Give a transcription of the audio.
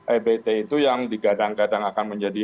ebt itu yang digadang gadang akan menjadi